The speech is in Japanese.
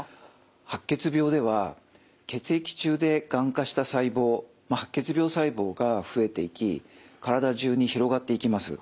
白血病では血液中でがん化した細胞白血病細胞が増えていき体中に広がっていきます。